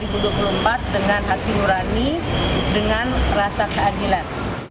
pemilu dua ribu dua puluh empat dengan hati lurani dengan rasa keadilan